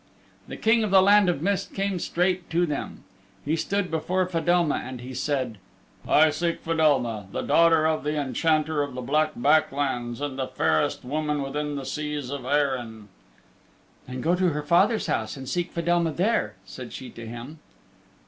The King of the Land of Mist came straight to them. He stood before Fedelma and he said, "I seek Fedelma, the daughter of the Enchanter of the Black Back Lands and the fairest woman within the seas of Eirinn." "Then go to her father's house and seek Fedelma there," said she to him.